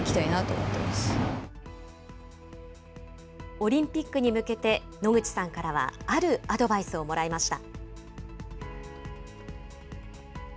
オリンピックに向けて、野口さんからはあるアドバイスをもらいました。